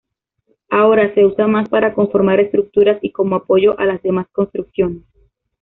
Ahora, se usa más para conformar estructuras y como apoyo a las demás construcciones.